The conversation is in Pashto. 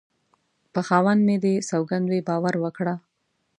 په خاوند مې دې سوگند وي باور وکړه